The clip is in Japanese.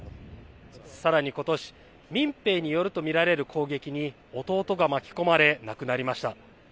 さらに、ことし民兵によるとみられる攻撃に弟が巻き込まれ、亡くなりました。